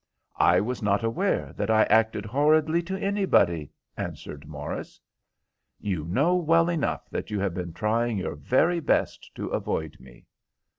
"I was not aware that I acted horridly to anybody," answered Morris. "You know well enough that you have been trying your very best to avoid me."